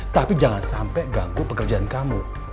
tapi jangan sampai ganggu pekerjaan kamu